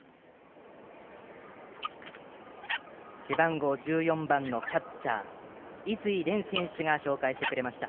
背番号１４番のキャッチャー、泉井憐選手が紹介してくれました。